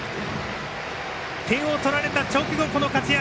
点を取られた直後、この活躍。